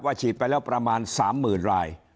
ฉีดไปแล้วประมาณ๓๐๐๐ราย